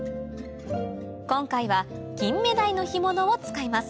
今回はキンメダイの干物を使います